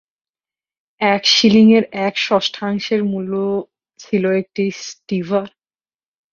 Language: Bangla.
এক শিলিং-এর এক-ষষ্ঠাংশের মূল্য ছিল একটি ষ্টীভার।